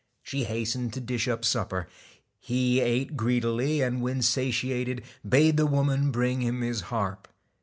She hastened to dish up supper. He ate greedily, and when satiated, bade the woman bring him his harp.